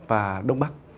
và đông bắc